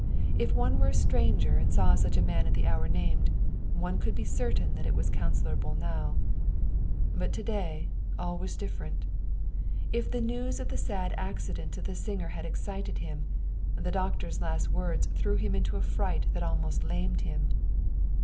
If one were a stranger and saw such a man at the hour named, one could be certain that it was Councilor Bolnau. But to day all was different. If the news of the sad ac cident to the singer had excited him, the doctor's last words threw him into a fright that almost lamed him.